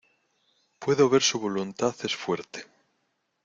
Puedo ver su voluntad es fuerte.